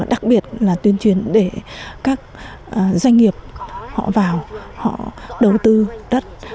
đặc biệt là tuyên truyền để các doanh nghiệp họ vào họ đầu tư đất